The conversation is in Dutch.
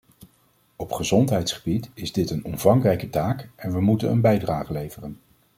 Op gezondheidsgebied is dit een omvangrijke taak, en we moeten een bijdrage leveren.